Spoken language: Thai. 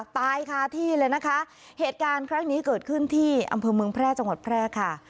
ตายคาที่เลยนะคะเหตุการณ์ครั้งนี้เกิดขึ้นที่อำเภอเมืองแพร่จังหวัดแพร่ค่ะ